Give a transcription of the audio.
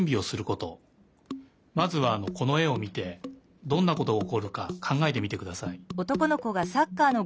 まずはこのえをみてどんなことがおこるかかんがえてみてください。